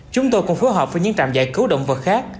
chúng tôi cũng phối hợp với những trạm giải cứu động vật khác